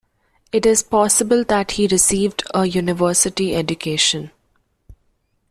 It is possible that he received a university education.